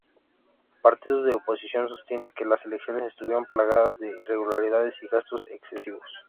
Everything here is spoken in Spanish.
Partidos de oposición sostienen que las elecciones estuvieron plagadas de irregularidades y gastos excesivos.